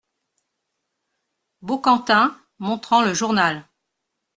Baucantin , montrant le journal.